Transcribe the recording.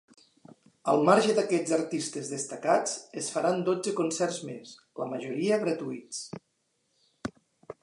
Al marge d’aquests artistes destacats, es faran dotze concerts més, la majoria gratuïts.